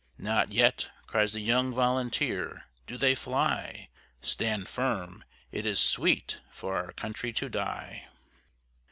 "Not yet," cries the young volunteer, "do they fly! Stand firm! it is sweet for our country to die!"